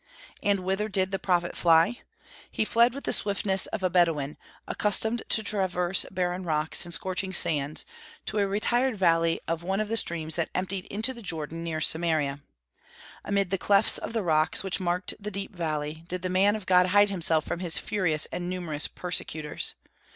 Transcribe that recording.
And whither did the prophet fly? He fled with the swiftness of a Bedouin, accustomed to traverse barren rocks and scorching sands, to a retired valley of one of the streams that emptied into the Jordan near Samaria. Amid the clefts of the rocks which marked the deep valley, did the man of God hide himself from his furious and numerous persecutors.